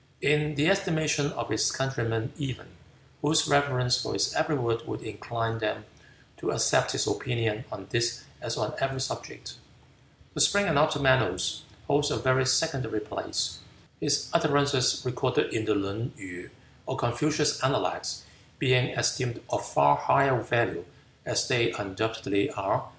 In the estimation of his countrymen even, whose reverence for his every word would incline them to accept his opinion on this as on every subject, the Spring and Autumn Annals holds a very secondary place, his utterances recorded in the Lun yu, or Confucian Analects, being esteemed of far higher value, as they undoubtedly are.